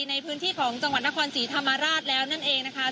ในพื้นที่ของจังหวัดนครศรีธรรมราชแล้วนั่นเองนะคะ